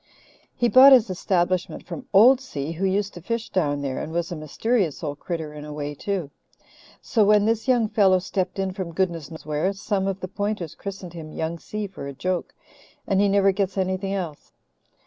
He bought his establishment from 'old Si,' who used to fish down there and was a mysterious old critter in a way too. So when this young fellow stepped in from goodness knows where, some of the Pointers christened him Young Si for a joke, and he never gets anything else.